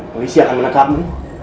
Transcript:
polisi akan menekapmu